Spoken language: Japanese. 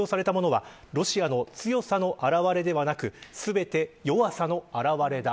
最近、発表されたものはロシアの強さの表れではなく全て弱さの表れだ。